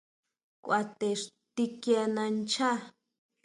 Kʼua te xtikiena nchaá.